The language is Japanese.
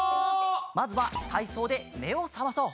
まずはたいそうでめをさまそう！